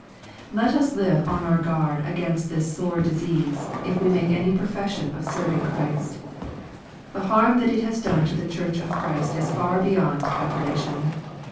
Let us live on our guard against this sore disease, if we make any profession of serving Christ. The harm that it has done to the Church of Christ is far beyond calcu lation.